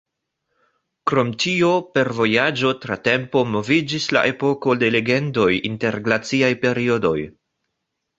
Krom tio, per vojaĝo tra tempo troviĝis la Epoko de Legendoj inter glaciaj periodoj.